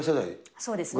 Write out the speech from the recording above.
そうですね。